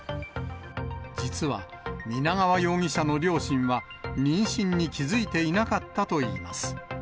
実は、皆川容疑者の両親は、妊娠に気付いていなかったといいます。